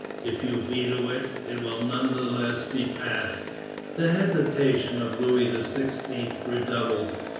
If you veto it, it will none the less be passed." The hesitation of Louis XVI. redoubled.